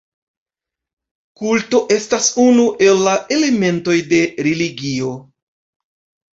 Kulto estas unu el la elementoj de religioj.